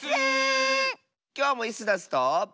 きょうもイスダスと。